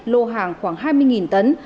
lô hàng khoảng hai mươi tấn